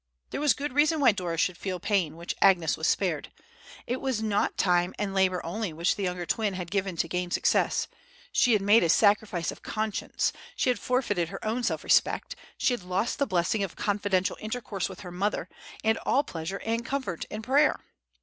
There was good reason why Dora should feel pain which Agnes was spared. It was not time and labor only which the younger twin had given to gain success; she had made a sacrifice of conscience, she had forfeited her own self respect, she had lost the blessing of confidential intercourse with her mother, and all pleasure and comfort in prayer!